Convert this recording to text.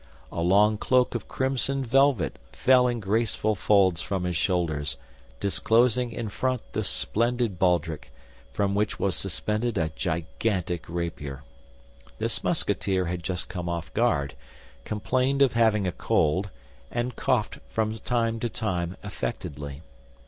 A long cloak of crimson velvet fell in graceful folds from his shoulders, disclosing in front the splendid baldric, from which was suspended a gigantic rapier. This Musketeer had just come off guard, complained of having a cold, and coughed from time to time affectedly.